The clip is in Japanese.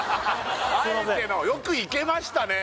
あえてのよくいけましたね